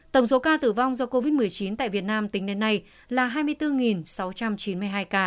tổng số ca tử vong do covid một mươi chín tại việt nam tính đến nay là hai mươi bốn sáu trăm chín mươi hai ca